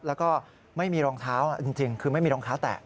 แล้วก็ไม่มีรองเท้าจริงคือไม่มีรองเท้าแตะ